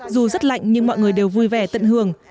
dù rất lạnh nhưng mọi người đều vui vẻ tận hưởng